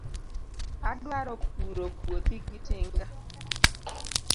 Adwaro puro puothi gi tinga.